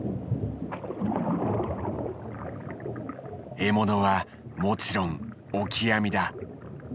獲物はもちろんオキアミだ。